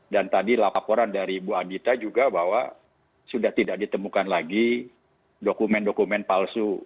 dan tadi laporan dari bu adita juga bahwa sudah tidak ditemukan lagi dokumen dokumen palsu